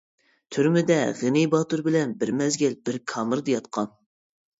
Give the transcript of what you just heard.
تۈرمىدە غېنى باتۇر بىلەن بىر مەزگىل بىر كامېردا ياتقان.